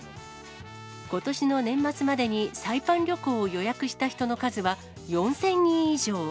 ことしの年末までにサイパン旅行を予約した人の数は４０００人以上。